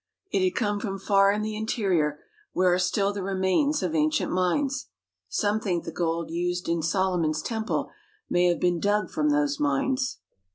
It had come from far in the interior, where are still the remains of ancient mines. Some think the gold used in Solomon's Temple may have been dug from those mines.